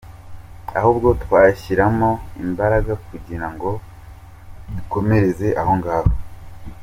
Ahubwo twashyiramo imbaraga kugira ngo dukomereze ahongaho.